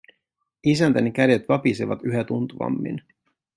Isäntäni kädet vapisevat yhä tuntuvammin.